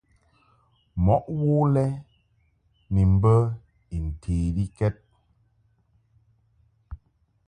Mo wo lɛ ni mbə I ntelikɛd.